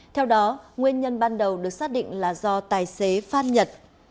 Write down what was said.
theo đó nguyên nhân ban đầu được xác định là do tài xế phan nhật